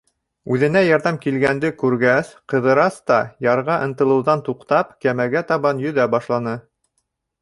Үҙенә ярҙам килгәнде күргәс, Ҡыҙырас та, ярға ынтылыуҙан туҡтап, кәмәгә табан йөҙә башланы.